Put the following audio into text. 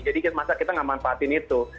jadi masa kita nggak manfaatin itu